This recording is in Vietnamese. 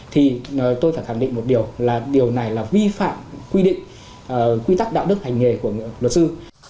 thì tôi phải khẳng định một điều là điều này vi phạm quy tắc đạo đức hành nghề của luật sư